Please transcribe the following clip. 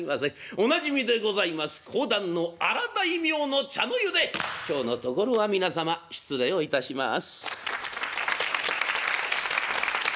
おなじみでございます講談の「荒大名の茶の湯」で今日のところは皆様失礼をいたします。